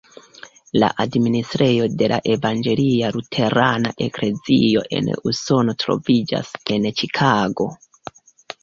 La administrejo de la Evangelia Luterana Eklezio en Usono troviĝas en Ĉikago.